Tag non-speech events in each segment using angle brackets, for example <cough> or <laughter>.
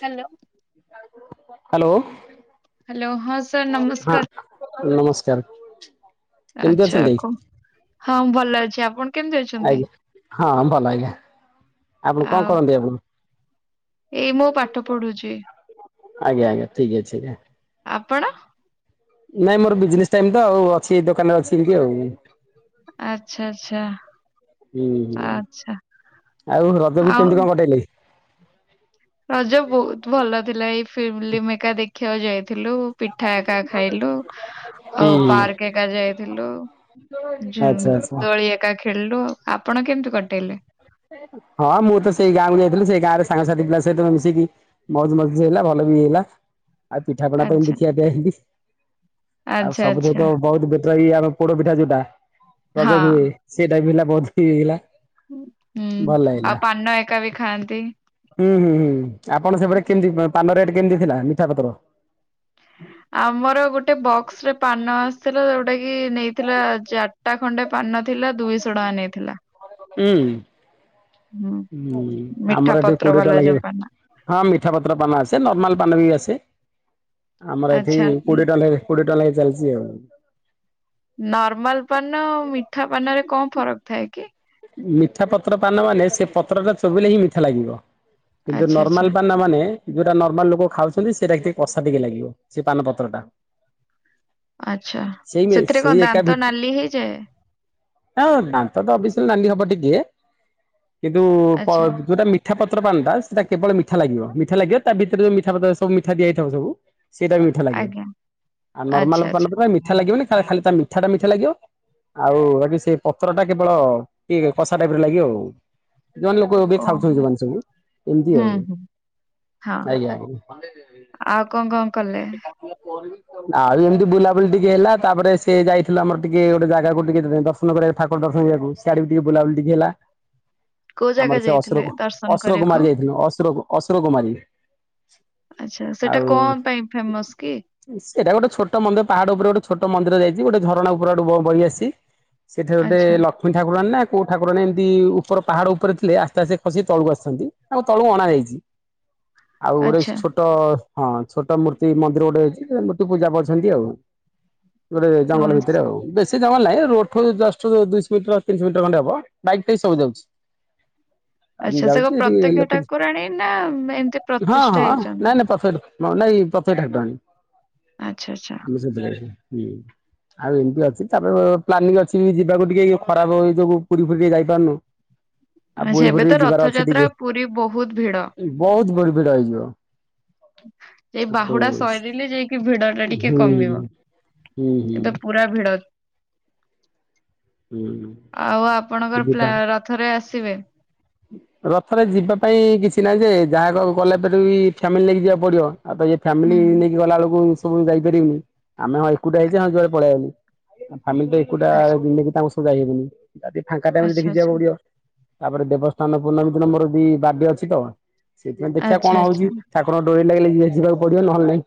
Hello hello. Hello ହଁ sir ହଁ ନମସ୍କାର ନମସ୍କାର। କେମିତି ଆଚ୍ଛା ଅଛନ୍ତି? କ। ହଁ ଭଲ ଅଛି ଆପଣ କେମିତି ଅଛନ୍ତି? ଆଜ୍ଞା ହଁ ଭଲ ଆଜ୍ଞା ଆପଣ କଣ ଆଉ କରନ୍ତି ଆପଣ ଏଇ ମୁ ପାଠ ପଢୁଚି। ଆଜ୍ଞା ଆଜ୍ଞା ଠିକ ଅଛି ଆଜ୍ଞା। ଆପଣ ନାଇଁ ମୋର ବିଜନେସ ଟାଇମ ତ ଆଉ ଅଛି ଦୋକାନରେ ଅଛି ଏମିତି ଆଉ। ଆଚ୍ଛା ଆଚ୍ଛା। ହୁଁ ହୁଁ ଆଚ୍ଛା ଆଉ ରଜକୁ ଆଉ କେମତି କଣ କଟେଇଲେ? ରଜ ବହୁତ ଭଲ ଥିଲା ଏଇ ଫିଲ୍ମ ଏକା ଦେଖିବାକୁ ଯାଇଥିଲୁ ପିଠା ଏକା ଖାଇଲୁ। ଆଉ ହୁଁ ପାର୍କ ଏକା ଯାଇଥିଲୁ ଆଚ୍ଛା ଆଚ୍ଛା ଦଳି ଏକା ଖେଳିଲୁ ଆଉ ଆପଣ କେମିତି କଟେଇଲେ? ହଁ ମୁଁ ତ ସେଇ ଗାଁକୁ ଯାଇଥିଲି ସେଇ ଗାଁରେ ସାଙ୍ଗସାଥି ପିଲା ସହିତ ମିଶିକି। ମଜ ମଜଜି ହେଲା ଭଲ ବି ହେଲା। ଆଉ ପିଠା ପଣା ତ ଏମିତି ଆଚ୍ଛା ଖିଆ ପିଆ ଏମିତି ଆଉ ଆଚ୍ଛା ଆଚ୍ଛା ସବୁଥିତ ବହୁତ ଆମ ପୋଡ ପିଠା ଯୋଉଟା ରଜ ହୁଏ ହଁ। ସେଇଟା ବି ହେଲା ବହୁତ ଇ ହେଇଗଲା। ହୁଁ ଆଉ ପାନ ଏକା ବି ଖାଆନ୍ତି। ହୁଁ ହୁଁ ହୁଁ ଆପଣ ସେପଟେ କେମିତି ପାନ ରେଟ୍ କେମିତି ଥିଲା ମିଠା ପତ୍ର ଆମର ଗୋଟେ ବକ୍ସ ରେ ପାନ ଆସିଥିଲା ଯୋଉଟା କି ନେଇଥିଲା ଜ ଖଟା ଖଣ୍ଡେ ପାନ ନ ଥିଲା ଦୁଇଶହ ଟଙ୍କା ନେଇଥିଲା ହୁଁ ହୁଁ ମିଠା ଆମର ଏଠିକି ପତ୍ର କୋଡିଏ ଟା ବାଲା ଲାଗିବ ଯୋଉ ପାନ ହଁ ମିଠା ପତ୍ର ପାନ ଆସେ ନର୍ମାଲ ପାନ ବି ଆସେ ଆମର ଏଠି ଆଚ୍ଛା କୋଡ଼ିଏ ଟା ଲେ କୋଡିଏ ଟଙ୍କା ଲେଖା ଚାଲିଛି ଆଉ ନର୍ମାଲ ପାନ ମିଠା ପାନରେ କଣ ଫରକ ଥାଏ କି? ମିଠା ପତ୍ର ପାନ ମାନେ ସେ ପତ୍ର ଟା ଚୋବେଇଲେ ହିଁ ମିଠା ଲାଗିବ। କିନ୍ତୁ ଆଚ୍ଛା ଆଚ୍ଛା ନର୍ମାଲ ପାନା ମାନେ ଯୋଉଟା ନର୍ମାଲ ଲୋକ ଖାଉଛନ୍ତି ସେଇଟା ଟିକେ କଷା ଟିକେ ଲାଗିବ ସେ ପାନପତ୍ର ଟା। ଆଚ୍ଛା ସେଥିରେ କଣ ଦାନ୍ତ ନାଲି ହେଇଯାଏ? ହ ଦାନ୍ତ ତ ଅବିସ ନାଲି ହବ ଟିକିଏ କିନ୍ତୁ ପ ଆଚ୍ଛା ଯୋଉଟା ମି ମିଠାପତ୍ର ପାନଟା ସେଟା କେବଳ ମିଠା ଲାଗିବ ମିଠା ଲାଗେ ତା ଭିତରେ ଯୋଉ ମିଠା ପତ୍ର ସବୁ ମିଠା ଦିଆହେଇଥିବ ସବୁ ସେଇଟା ବି ମିଠା ଲାଗେ ଆଜ୍ଞା ଆ ଆଚ୍ଛା ନର୍ମାଲ ଆଚ୍ଛା ପାନପତ୍ର ମିଠା ଲାଗିବନି ଖା ଖାଲି ତା ମିଠା ଟା ମିଠା ଲାଗିବ ଆଉ ବାକି ସେ ପତ୍ର ଟା କେବଳ ଠା ଟିକିଏ କଷା ଟାଇପ ର ଲାଗିବ ଆଉ। ଜଣେ ଲୋକ ଏବେ ଓହୋ ଖାଉଛନ୍ତି ଯୋଉମାନେ ସବୁ ଏମିତି ହୁଁ ଆଉ। ହୁଁ ହଁ ଆଜ୍ଞା ଆଜ୍ଞା ଆଉ କଣ କଣ କଲେ ଆଉ ଏମିତି ବୁଲାବୁଲି ଟିକେ ହେଲା ତାପରେ ସେ ଯାଇଥିଲା ଆମର ଟିକେ ଗୋଟେ ଜାଗାକୁ ଟିକେ ଦର୍ଶନ କରିବାକୁ ଠାକୁର ଦର୍ଶନ କରିବାକୁ। ସିଆଡେବି ଟିକେ ବୁଲାବୁଲି ଟିକେ ହେଲା କୋଉ ଆମର ଜାଗା ସେ ଯାଇଥିଲେ ଅସୁରକୁ ଦର୍ଶନ ଅସୁର କରିବାକୁ କୁମାରି ଯାଇଥିଲୁ ଅସୁରକୁ। ଅସୁରକୁମାରୀ। ଆଚ୍ଛା ସେଟା କଣ ପାଇଁ ଫେମସ କି? ସେଇଟା ଗୋଟେ ଛୋଟ ମନ୍ଦିର ପାହାଡ ଉପରେ ଗୋଟେ ଛୋଟ ମନ୍ଦିର ଯାଇଛି ଗୋଟେଝରଣା ଉପର ଆଡୁ ବହି ଆସିଛି। ସେଠାରେ ଗୋଟେ ଆଚ୍ଛା ଲ କ୍ଷ୍ମୀ ଠାକୁରାଣୀ ନା କୋଉ ଠାକୁରାଣୀ ଏମିତି ଉପରହାଡ଼ ଉପରେ ଥିଲେ ଆସ୍ତେ ଆସ୍ତେ ଖସିକି ତଳକୁ ଆସିଛନ୍ତି ଆଉ ତଳକୁ ଅଣାଯାଇଛି। <inaudible> ଆଉ ଗୋଟେ ଆଚ୍ଛା ଛୋଟ ହଁ ଛୋଟ ମୂର୍ତ୍ତି ମନ୍ଦିର ଗୋଟେ ଅଛି ମୂର୍ତ୍ତି ପୂଜା ପାଉଛନ୍ତି ଆଉ। ଗୋଟେ ଜଙ୍ଗଲ ଓହୋ ଭିତରେ ଆଉ ବେଶୀ ଜଙ୍ଗଲ ନାହିଁ ରୋଡ ଠୁ ଜଷ୍ଟ ଦୁଇସ ମିଟର ତିିନିସ ମିଟର ଖଣ୍ଡେ ହବ ବାଇକ ଫାଇକ ସବୁ ଯାଉଛି। ଆମେ ଆଚ୍ଛା ସେ କଣ ଯାଉଛି ଟିକେ ପ୍ରତ୍ୟକ୍ଷ ଲୋକ ଠାକୁରାଣୀ ନା ଏମିତି ହଁ ପ୍ରତିଷ୍ଠା ହଁ ହେଇଛନ୍ତି? ନାଇଁ ନାଇଁ ପରଫେକ୍ଟ କଣ ନାଇ ଏ ପ୍ରତ୍ୟ ଠାକୁରାଣୀ ଆଚ୍ଛା ଆଚ୍ଛା ଆମେ ଯେତେବେଳେ ଆଉ ଏମିତି ଅଛି ତାପରେ ପ୍ଲାନିଂ ଅଛି ଯିବାକୁ ଟିକେ ଇ ଖରାପ ଏଇ ଯୋଗୁଁ ପୁରୀ ଫୁରୀ ଟିକେ ଯାଇପାରୁନୁ। ଆଉ ଆଚ୍ଛା ପୁରୀ ଏବେ ଫୁରୀ ତ ଯିବାର ଅଛି ରଥଯାତ୍ରା ଟିକେ ପୁରୀ ବହୁତ ଭିଡ। ବହୁତ ବଡ ଭିଡ ହେଇଯିବ। ଏଇ ଆଉ ବାହୁଡା ହୁଁ ସରିଲେ ଯାଇକି ଭିଡ ଟା ଟିକେ ହୁଁ କମିବ। ହୁଁ ଏଇଟା ପୁରା ଭିଡ ହୁଁ ଆଉ ଆପଣଙ୍କର ପ୍ଲା ଯିବା। ରଥରେ ଆସିବେ? ରଥରେ ଯିବା ପାଇଁ କିଛି ନାହିଁ ଯେ ଯାହାର ଗଲାପରେ ବି ଫ୍ୟାମିଲି ନେଇକି ଯିବାକୁ ପଡ଼ିବ। ଆଉ ତ ଇଏ ଫ୍ୟାମିଲି ହୁଁ ନେଇକି ଗଲା ବେଳକୁ ଓପୁରୁକୁ ଯାଇପାରିବୁ ଆମେ ହଁ ଏକୁଟିଆ ହେଇଛୁ ହଁ ଯୁଆଡେ ପଳେଇଆଇବୁ ଫାମିଲି ତ ଏକୁଟିଆ ଆଚ୍ଛା ନେଇକି ତାଙ୍କୁ ସା ଯାଇହେବନି ଯଦି ଫାଙ୍କା ଟାଇମ ଆଚ୍ଛା ଆଚ୍ଛା ଦେଖିଯିବାକୁ ପଡିବ ତାପରେ ଦେବ ସ୍ନାନ ପୂର୍ଣ୍ଣମୀ ଦିନ ମୋର ବି ବାର୍ଡେ ଅଛି ତ ସେଇଥିପାଇଁ ଦେଖିଆ ଆଚ୍ଛା କଣ ଆଚ୍ଛା ହଉଛି। ଠାକୁରଙ୍କ ଡୋରି ଲାଗିଲେ ଯି ଯିବାକୁ ପଡିବ ନହେଲେ ନାଇଁ।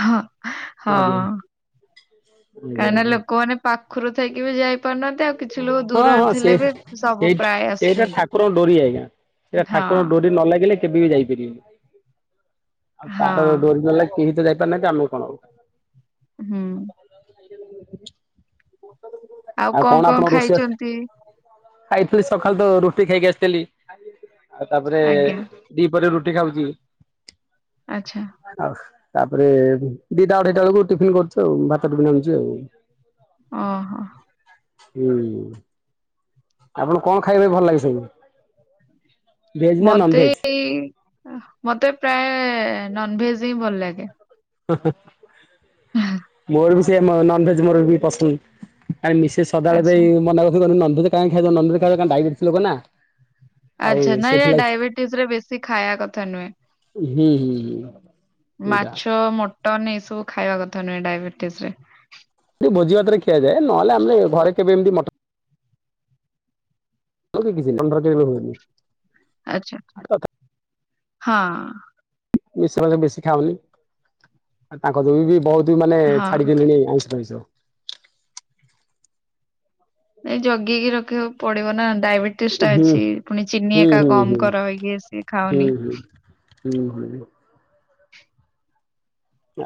ହଃ ହଁ ଆଜ୍ଞା। ଆଜ୍ଞା କାଇଁନା ଆଜ୍ଞା ଲୋକମାନେ ପାଖୁରୁ ଥାଇକି ବି ଯାଇ ପାରୁନାନ୍ତି ଆଉ କିଛି ଲୋକ ହଁ ଦୂରରେ ହଁ ସେ ଥିଲେ ବି ସେଇ ସବୁ ପ୍ରାୟ ଆସୁଛନ୍ତି। ସେଇଆ ଠାକୁର ହଁ ଡୋରି ନ ଲାଗିଲେ କେବେ ବି ଯାଇପାରିବେନି ଆଉ ତାର ହଁ ଡୋରିନଲେ କେହି ତ ଯାଇପାରୁ ନାହାଁନ୍ତି ଆମକୁ କଣ ଆଉ ହୁଁ ଆଉ କଣ ଆପଣଙ୍କ ରୋଷେଇଆ ଖାଇଥିଲି ସଖାଳେ ତ ରୁଟି ଖାଇକି ଆସିଥିଲି ଆଉ ତାପରେ ଆଜ୍ଞା ଦି ପହରେ ରେ ରୁଟି ଖାଉଚି। ଆଛା ଆଉ ତାପରେ ଦିଟା ଅଢେଇଟା ବେଳକୁ ଟିଫିନ କରୁଚୁ ଆଉ ଭାତ ଟିଫିନ୍ ଆଣୁଚି ଆଉ ଓହୋ। ହୁଁ ଆପଣଙ୍କୁ କଣ ଖାଇବା ପାଇଁ ଭଲ ଲାଗେ ସବୁ? ଭେଜ୍ ନା ନନ୍ ମତେ ଭେଜ୍ ଏଇ ଅ ମତେ ପ୍ରାୟ ନନଭେଜ ହିଁ ଭଲ ଲାଗେ। ହ ହ ମୋର ବି ସେ ମ ନନଭେଜ ମୋର ବି ପସନ୍ଦ ଆଇ ମିସେସ ସଦାବେଳେ ଆଚ୍ଛା ପାଇଁ ମନେ ରଖିବ ନନଭେଜ୍ କାଇଁ ଖାଇବ ନନଭେଜ ଖାଇବ କାଇଁ ଡାଇବେଟିସ ଲୋକ ନା। ଆଉ ଆଛା ନାଇଁ ଏ ସେଥିଲାଗି ଡାଇବେଟିସ ରେ ବେଶୀ ଖାଇବା କଥା ନୁହେଁ। ହୁଁ ହୁଁ ହୁଁ। ସେଇଟା। ମାଛ ମଟନ ଏଇସବୁ ଖାଇବା କଥା ନୁହେଁ ଡାଇବେଟିସ ରେ। ଭୋଜି ଭାତରେ ଖିଆଯାଏ ନହଲେ ଆମେ ଘରେ କେବେ ଏମିତି ମଟନ କିଛି <unintelligible> ଆଛା ହଁ। ମିଶ ବେଶି ଖାଉନି ଆଉ ତାଙ୍କ ଯୋଗୁ ବି ବହୁତ ମାନେ ହଁ। ଛାଡିିଦେଲିଣି ଆଇଁଷ <unintelligible> ନାଇଁ ଜଗିକି ରଖିବାକୁ ପଡିବ ନା ଡାଇବେଟି ଇଷ୍ଟା ହୁଁ ଅଛି ପୁଣି ଚିନି ହୁଁ ଏକା ହୁଁ ହୁଁ କମ କର ହୁଁ ହେଇକିଏ ସିଏ ଖାଅନି ହୁଁ। ହୁଁ <unintelligible>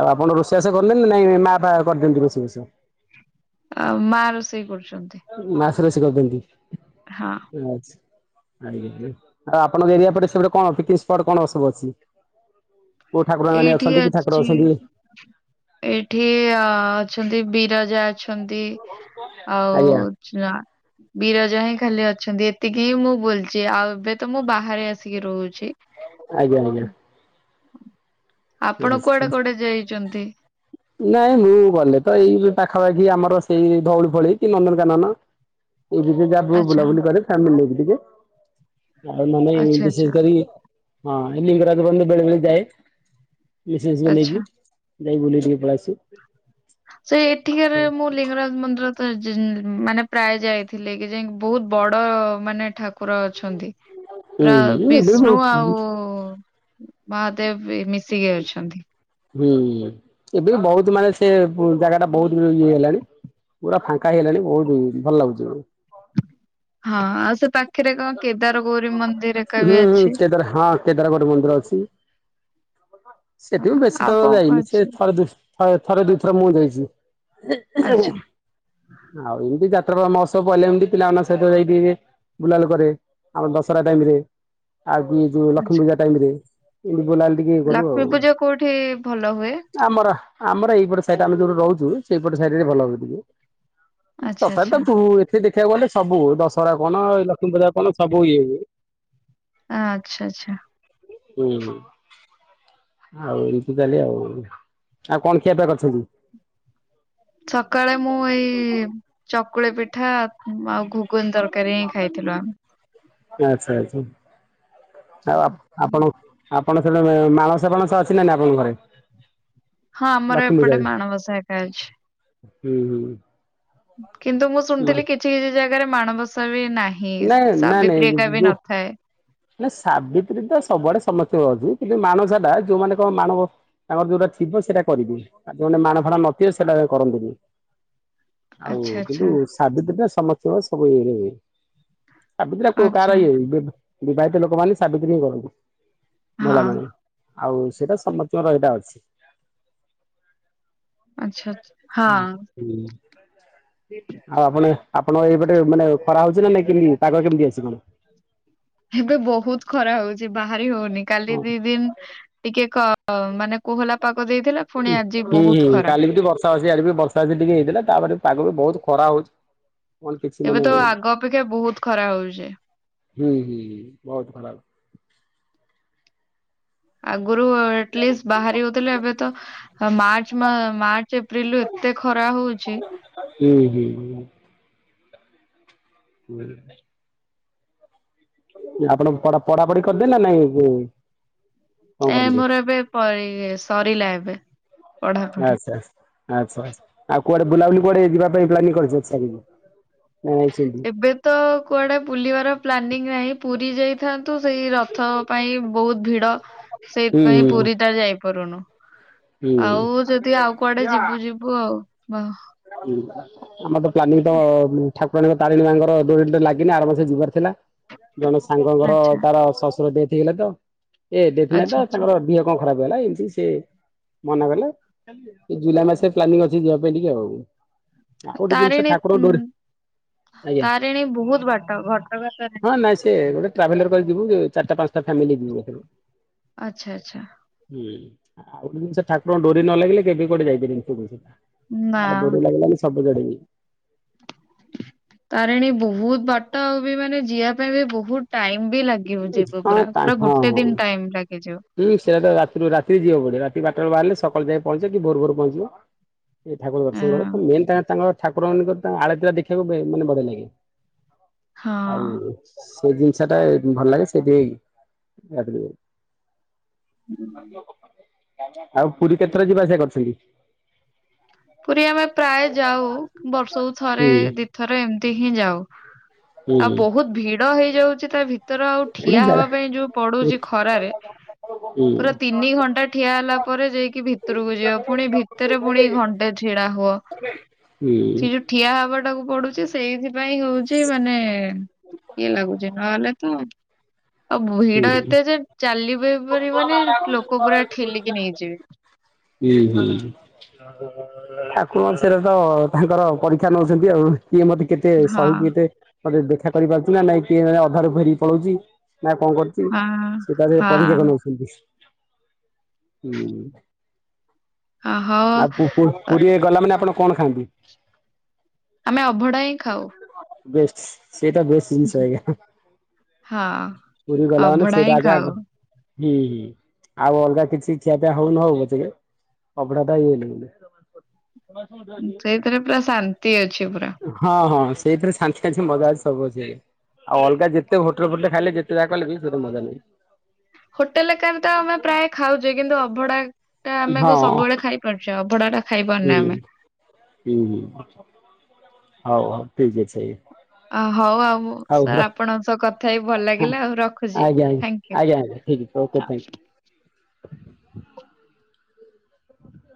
ଆଉ ଆପଣ ରୋଷେଇ ବାସ କରନ୍ତି ନା ନାଇଁ ମା ଫା କରିଦିଅନ୍ତି ରୋଷେଇ ବାସ? ଆ ମା ରୋଷେଇ କରୁଛନ୍ତି। ମାଆସ ରୋଷେଇ କରୁଚନ୍ତି। ହଁ। ଆଛା। ଆ ଆପଣଙ୍କ ଏରିଆ ପଟେ ସେପେଟେ କଣ ପିକନିକ ସ୍ପଟ୍ କଣ ସବୁ ଅଛି? କୋଉ ଠାକୁର ମାନେ ଏଇଠି ଅଛନ୍ତି କି ଠାକୁର ଅଛି ଅଛନ୍ତି? ଏଇଠି ଅ ଅଛନ୍ତି ବିରଜା ଅଛନ୍ତି। ଆଉ ଆଜ୍ଞା ଚା ବିରଜା ହିଁ ଖାଲି ଅଛନ୍ତି ଏତିକି ହିଁ ମୁଁ ବୁଲଚି। ଆଉ ଏବେ ତ ମୁଁ ବାହାରେ ଆସିକି ରହୁଛି। ଆଜ୍ଞା ଆଜ୍ଞା। ଆ ଆପଣ କୁଆଡେ କୁଆଡେ <unintelligible> ଯାଇଛନ୍ତି? ନାଇଁ ମୁଁ ଗଲେ ତ ଏଇ ଯ ପାଖାପାଖି ଆମର ସେଇ ଧଉଳି ଫଉଳି କି ନନ୍ଦନକାନନ। ଏବେ ଜା ଯୋଉ ଆଚ୍ଛା ବୁଲାବୁଲି କରେ ଫ୍ୟାମିଲି ନେଇକି ଟିକେ ଆଉ ମାନେ ଏ ଆଚ୍ଛା ଆଚ୍ଛା ବିଶେଷ କରି ହଁ ଏ ଲିଙ୍ଗରାଜ ବନ୍ଦ ବେଳେ ବେଳେ ଯାଏ। ମିସେସଙ୍କୁ ଆଚ୍ଛା। ନେଇକି ଯାଇ ବୁଲିକି ଟିକେ ପଳେଇଆସିବୁ। ସେ ଏଠିକାରେ ମୁଁ ଲିଙ୍ଗରାଜ ମନ୍ଦିର ତ ଯ ମାନେ ପ୍ରାୟ ଯାଇଥିଲି କି ଯାଇକି ବହୁତ ବଡ ମାନେ ଠାକୁର ଅଛନ୍ତି। ହୁଁ ପୁରା ଏବେ ବି ହୁଁ ବିଷ୍ଣୁ ଆଉ ମହାଦେବ ବି ମିଶିକି ଅଛନ୍ତି। ହୁଁ ହୁଁ ଏବେ ବହୁତ ମାନେ ସେ ଜାଗା ଟା ବହୁତ ଇଏ ହେଲାଣି। ପୁରା ଫାଙ୍କା ହେଇଗଲାଣି ବହୁତ ଭଲ ଲାଗୁଛି ଏବେ। ହଁ ଆଉ ସେ ପାଖରେ କଣ କେଦାର ଗୌରୀ ମନ୍ଦିର ଏକା <unintelligible> ବି ହୁଁ ଅଛି। ହୁଁ କେଦାର ହଁ। କେଦାରଗଡ଼ ମନ୍ଦିର ଅଛି। ସେଠି ମୁଁ ବେଶୀ ଆଉ ସମୟ କଣ କଣ ଯାଇନି ସେ ଅଛି ଥରେ ଦୁ ଥରେ ଦୁଇ ଥର ମୁଁ ଆଚ୍ଛା ଯାଇଛି। ଆଉ ଏମିତି ଯାତ୍ରା ମୋହତ୍ସବ ପଡ଼ିଲେ ଏମିତି ପିଲାମାନଙ୍କ ସହିତ ଯାଇ ଟିକେ ବୁଲାବୁଲି କରେ ଆମର ଦଶହରା ଟାଇମରେ। ଆଉ କି ଯୋଉ ଲକ୍ଷ୍ମୀ ଆଚ୍ଛା। ପୂଜା ଟାଇମରେ ଏମିତି ବୁଲାବୁଲି ଟିକେ କରୁ ଆଉ। ଲକ୍ଷ୍ମୀ ପୂଜା କୋଉଠି ଭଲ ହୁଏ? ଆମର ଆମର ଏଇପଟେ ସାଇରେ ଆମେ ଯୋଉଠି ରହୁଛୁ। ସେଇପଟ ସାଇରେ ଭଲ ହୁଏ ଟିକେ। ଆଚ୍ଛା ତଥାପି ଆଚ୍ଛା ତ ଏଠି ଦେଖିବାକୁ ଗଲେ ସବୁ ଦଶହରା କଣ ଲକ୍ଷ୍ମୀପୂଜା କଣ ସବୁ ଇଏ ହୁଏ। ଆ ଆଛା ଆଛା। ହୁଁ। ଆଉ ଏମିତି ତାହଲେ ଆଉ। ଆଉ କଣ ଖିଆ ପିଆ କରିଛନ୍ତି? ସକାଳେ ମୁଁ ଏଇ ଚକୁଳି ପିଠା ଆଉ ଘୁଗୁନି ତରକାରୀ ହିଁ ଖାଇଥିଲୁ ଆମେ। ଆଚ୍ଛା ଆଚ୍ଛା। ଆଉ ଆପଣ ଆପଣ ସେଟ ମାଣସ ଫଣସ ଅଛି ନା ଆପଣଙ୍କ ଘରେ? ହଁ ଆମର ଲକ୍ଷ୍ମୀ ଏପଟେ ପୂଜାରେ? ମାଣବସା ଏକା ଅଛି। ହୁଁ ହୁଁ। କିନ୍ତୁ ମୁଁ ଶୁଣିଥିଲି କିଛି କିଛି ଜାଗାରେ ମାଣବସା ବି ନାହିଁ। ହଁ ନାଇଁ ନାଇଁ ନାଇଁ ସାବିତ୍ରୀିକା ବି ଯୋଉ ନଥାଏ। ନା ସାବିତ୍ରୀ ତ ସବୁଆଡେ ସମସ୍ତଙ୍କ ଅଛି କିନ୍ତୁ ମାଣବାସାଟା ଯୋଉମାନେ କଣ ମାଣବ ତାଙ୍କର ଯୋଉଟା ଥିବ ସେଇଟା କରିବି ଆଉ ଯୋଉେ ମାଣ ଫାଡ ନଥିବ ସେଇଟା କରନ୍ତିନି। <inaudible> ଆଉ କିନ୍ତୁ ଆଚ୍ଛା ସାବିତ୍ରୀଟା ସମସ୍ତଙ୍କ ସବୁ ଇରେ ହୁଏ। ସାବିତ୍ରୀ କାହାର ଆଚ୍ଛା ଇଏ ବିବାହିତ ଲୋକମାନେ ସାବିତ୍ରୀ ହିଁ କରନ୍ତି ହଁ ମହିଳାମାନେ। ଆଉ ସେଇଟା ସମସ୍ତଙ୍କ ରହଟା ଅଛି। ଆଚ୍ଛା ଆଚ୍ଛା। ହଁ <unintelligible> ଆଉ ଆପଣ ଆପଣ ଏଇପଟେ ମାନେ ଖରା ହଉଛି ନାଇ କେମିତି ପାଗ କେମିତି ଅଛି କଣ? ଏବେ ବହୁତ ଖରା ହଉଛି ବାହାରି ହଉନି କାଲି ହଁ ଦି ଦିନ ଟିକେ କ ମାନେ କୋହଲା ପାଗ ଦେଇଥିଲା। ପୁଣି ଆଜି ହୁଁ ବହୁତ ହୁଁ ଖରା। କାଲି ବି ବର୍ଷା ହସିଛି ଆଡ ବି ବର୍ଷା ଅସିଛି ଟିକେ ହେଇଥିଲା ତାପରେ ପାଗ ବି ବହୁତ ଖରା ହଉଛି। କଣ କିଛି ଏବେ ମାନେ ତ ହୁଁ ଆଗ ଅପେକ୍ଷା ବହୁତ ଖରା ହଉଛେ। ହୁଁ ହୁଁ ହ ବହୁତ <unintelligible> ଆଗରୁ ଆଟଲିଷ୍ଟ ବାହାରି ହଉଥିଲା ଏବେ ତ ଆ ମାର୍ଚ୍ଚ ମାର୍ଚ୍ଚ ଏପ୍ରିଲରୁ ଏତେ ଖରା ହଉଛି। ହୁଁ ହୁଁ ହୁଁ। <unintelligible> ଆପଣ ପଢା ପଢି କରିଦେଲେ ନା ନାଇଁ ଏ କରନ୍ତି ମୋର ଏବେ ସରିଲା ଏବେ। ପଢାପଢି। ଆଛା ଆଛା ଆଉ କୁଆଡେ ବୁଲାବୁଲି କୁଆଡେ ଯିବା ପାଇଁ ପ୍ଲାନିଙ୍ଗ କରିଛ? <unintelligible> ଏବେ ତ କୁଆଡେ ବୁଲିବାର ପ୍ଲାନିଂ ନାହିଁ ପୁରୀ ଯାଇ ଥାନ୍ତୁ ସେଇ ରଥ ପାଇଁ ବହୁତ ଭିଡ ହୁଁ ସେଇଥିପାଇଁ ହୁଁ। ପୁରୀଟା ଯାଇପାରୁନୁ। ହୁଁ ହୁଁ। ଆଉ ଯଦି ଆଉ କୁଆଡେ ଯିବୁ ଯିବୁ ଆଉ ଵ <inaudible> ଆମର ତ ପ୍ଲାନିଂ ତ ଠାକୁରାଣୀ ର ତାରିଣୀ ମା ଙ୍କର ଡୋରୀ ତ ଲାଗିନି ଆର ବର୍ଷ ଯିବାର ଥିଲା। ଜଣେ ସାଙ୍ଗଙ୍କର ଆଚ୍ଛା ତାର ଶଶୁର ଡେଥ ହୋଇଗଲା ତ ଏ ଡେଥ ନାଇଁ ଆଚ୍ଛା ତ ଆଚ୍ଛା। ତାଙ୍କର ଝିଅ କଣ ଖରାପ ହେଇଗଲା ଏନ୍ ସିନତି ସେ ମନା କଲା ଜୁଲାଇ ମାସରେ ପ୍ଲାନିଂ ଅଛି ଯିବା ପାଇଁ ଟିକେ ଆଉ ଆଉ ଗୋଟେ ଜିନିଷ ତାରିଣୀ ଠାକୁରଙ୍କ ଉଁ ଡୋରି ଆଜ୍ଞା ତାରିଣୀ ବହୁତ ବାଟ ଘଟଗାଁ ତାରଣୀ। ଏ ଗୋଟେ ଟଟ୍ରାଭେଲର କରି ଯିବୁ ଚାରଟା ପାଞ୍ଚଟା ଫାମିଲି ଯିବୁ <unintelligible> ଆଛା ଆଛା ହୁଁ ଆଉ ଗୋଟେ ଜିନିଷ ଠାକୁରଙ୍କ ଡୋରି ନ ଲାଗିଲେ କେବେ କୁଆଡେ ଯାଇ ପାରିବେନି <unintelligible> ନା ଆରେ ଡୋରୀ ଲାଗିଲାନି ସବୁ ଜଡେଇବି। ତାରିଣୀ ବହୁତ ବାଟ ଆଉ ବି ମାନେ ଯିଆ ପାଇଁ ବି ବହୁତ ଟାଇମ ବି ଲାଗେ। କେମ ଯିବୁ ହଁ ପୁରା ତା ପୁରା ହଁ ଗୋଟେ ହଁ ଦିନ ଟାଇମ ଲାଗିଯିବ। ହୁଁ ସେଆଟ ରାତିରୁ ରାତିରେ ଯିବ ବଧେ ରାତି ବାରଟା ବାହାରିଲେ ସକାଳ ଯାଇ ପହଞ୍ଚିବ କି ଭୋର ଭୋର ପହଞ୍ଚିବ ଏଇ ଠାକୁର ଏଁ ଦର୍ଶନ କର ମେନ୍ <unintelligible> ତାଙ୍କର ଠାକୁର ମାନଙ୍କ ତା ଆଳତିରା ଦେଖିବାକୁ ବେ ମାନେ ବଢିଆ ଲାଗେ ହଁ। ଆଉ ସେଇ ଜିନିଷ ଟା ଭଲ ଲାଗେ ସେଠି <unintelligible> ଆଉ ପୁରୀ କେତେଥର ଯିବା ଆସିବା କରିଛନ୍ତି? ପୁରୀ ଆମେ ପ୍ରାୟ ଯାଉ ବର୍ଷକୁ ଥରେ ହୁଁ ଦି ଥରେ ଏମିତି ହିଁ ଯାଉ ଆଉ ହୁଁ ବହୁତ ଭିଡ ହେଇଯାଉଚି ତା ଭିତର ଆଉ ପୁରୀ ଠିଆ ଜାଗା ହବା ପାଇଁ ଯୋଉ ହୁଁ ପଡୁଚି ଖରାରେ ପୁରା ହୁଁ ତିନି ଘଣ୍ଟା ଠିଆ ହେଲା ପରେ ଯାଇକି ଭିତରକୁ ଯିବ ଫୁଣି ଭିତରେ ପୁଣି ଘଣ୍ଟେ ଛିଡା ହ ହୁଅ <unintelligible> ଠିଆ ହବାଟାକୁ ପଡୁଚି ସେଇଥିପାଇଁ ହଉଛି ମାନେ ଇଏ ଲାଗୁଛି ନହେଲେ ତ ଆଉ ବ ହୁଁ ଭିଡ ଏତେ ହୁଁ ଯେ ଚାଲିବି ପାରିବନି ଲୋକ ପୁରା ଠେଲିକି ନେଇଯିବେ ହୁଁ ହୁଁ ଠାକୁର ସେର ତ ତାଙ୍କର ପରୀକ୍ଷା ନଉଛନ୍ତି ଆଉ କିଏ ମତେ କେତେ ହଁ ସହିକି ଏତେ <unintelligible> ଦେଖା କରିପାରୁଛୁ ନା ନାଇଁ କିଏ ଅଧାରୁ ଘେରିକି ପଳଉଛି ନା କଣ କର ହଁ ସେ ତା ଦେହରେ ହଁ ପରୀକ୍ଷାକୁ ନଉଛନ୍ତି ହୁଁ ଅ, ହଉ ଆଉ ପୁ ପୁ ଅ, ପୁରୀ ଗଲା ମାନେ ଆପଣ କଣ ଖାଆନ୍ତି? ଆମେ ଅଭଡ଼ା ହିଁ ଖାଉ ବେଶ୍ ସେଇଟା ବେଶ୍ ଜିନିଷ ଏୟା ହଁ ପୁରୀ ଗଲା ମାନେ ଅଭଡା ହିଁ ସେଇଟା ଆକା ଖାଉ ଆଗ ହୁଁ ହୁଁ ଆଉ ଅଲଗା କିଛି ଖିଆ ପିଆ ହଉ ନ ହଉ <unintelligible> ଅବଢ଼ା ତ <inaudible> ସେଇଥିରେ ପୁରା ଶାନ୍ତି ଅଛି ପୁରା ହଁ ହଁ ସେଇଥିରେ ଶାନ୍ତି ଅଛି ମଜା ଅଛି ସବୁ ଅଛି ଆଜ୍ଞା ଆଉ ଅଲଗା ଯେତେ ହୋଟେଲ ଫୋଟେଲ ରେ ଖାଇଲେ ଯେତେ ଯାହା କଲେ ବି ସେ ସବୁ ମଜା ନାହିଁ ହୋଟେଲ ଏକ ତ ଆମେ ପ୍ରାୟ ଖାଉଚେ କିନ୍ତୁ ଅଭଢ଼ା ଟା ଆମେ କଉ ହଁ ସବୁବେଳେ ଖାଇପାରୁଛେ ଅଭଡା ଟା ହୁଁ ଖାଇପାରୁନେ ହୁଁ ଆମେ। ହଁ ହଁ ହଉ ହଉ ଠିକ୍ ଅଛି ଆଜ୍ଞା ଅ ହଉ ଆଉ ବୋ ହଉ ସାର୍ ର ଆପଣଙ୍କ ସହ କ ଥା ହେଇ ଭଲ ଲାଗିଲା ଆଉ ରଖୁଛି ଆଜ୍ଞା ଆଜ୍ଞା ଥାଙ୍କ ଆଜ୍ଞା ଆଜ୍ଞା ଠିକ ଅଛି ଓକେ ୟୁ ଥ୍ୟାଙ୍କ ୟୁ। ହଁ